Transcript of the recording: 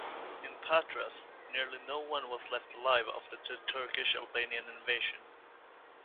In Patras nearly no one was left alive after the Turkish-Albanian invasion.